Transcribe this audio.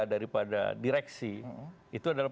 daripada direksi itu adalah